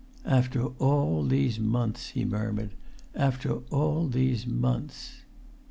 "After all these months," he murmured; "after all these months!"